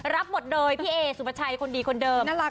รับหมดเลยพี่เอสุปชัยคนดีคนเดิม